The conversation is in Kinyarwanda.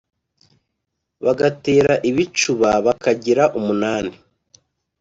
bagatera ibicúba bakagira umunani